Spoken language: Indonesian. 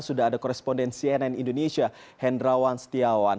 sudah ada koresponden cnn indonesia hendrawan setiawan